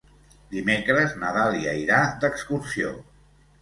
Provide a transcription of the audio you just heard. Dimecres na Dàlia irà d'excursió.